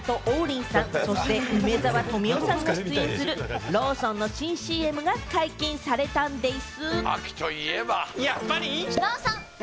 松山ケンイチさんと王林さん、そして梅沢富美男さんが出演する、ローソンの新ＣＭが解禁されたんでぃす。